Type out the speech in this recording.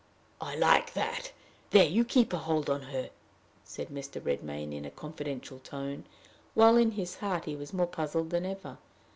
"I like that! There you keep a hold on her!" said Mr. Redmain, in a confidential tone, while in his heart he was more puzzled than ever.